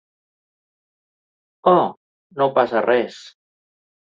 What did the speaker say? Oh, no passa res.